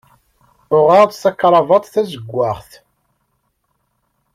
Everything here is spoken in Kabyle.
Uɣeɣ-d takravat tazeggaɣt.